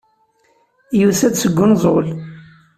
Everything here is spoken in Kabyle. Yusa-d seg unẓul.